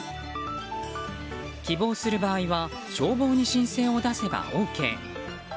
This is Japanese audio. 希望する場合は消防に申請を出せばＯＫ。